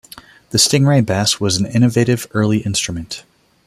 The StingRay bass was an innovative early instrument.